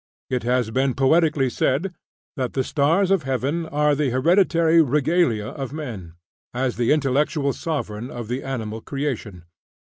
It has been poetically said, that the stars of heaven are the hereditary regalia of man, as the intellectual sovereign of the animal creation.